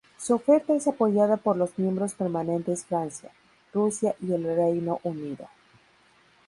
Su oferta es apoyada por los miembros permanentes Francia, Rusia y el Reino Unido.